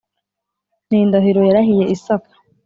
N indahiro yarahiye Isaka